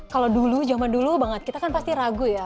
kalau dulu zaman dulu banget kita kan pasti ragu ya